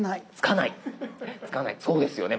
そうですよね